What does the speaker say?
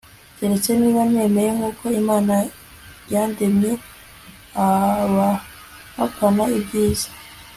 keretse niba nemeye nkuko imana yandemye? abahakana ibyiza